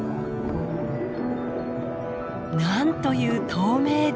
なんという透明度。